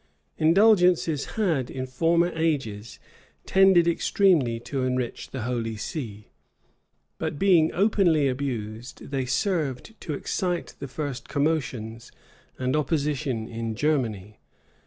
Indulgences had in former ages tended extremely to enrich the holy see; but being openly abused, they served to excite the first commotions and opposition in Germany.